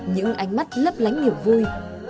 những ánh mắt lấp lánh nhiều vui